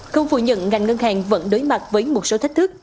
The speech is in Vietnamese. không phủ nhận ngành ngân hàng vẫn đối mặt với một số thách thức